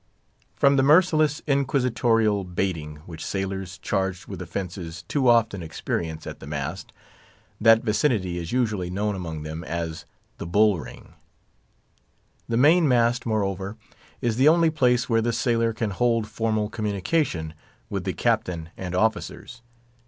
From the merciless, inquisitorial baiting, which sailors, charged with offences, too often experience at the mast, that vicinity is usually known among them as the bull ring. The main mast, moreover, is the only place where the sailor can hold formal communication with the captain and officers.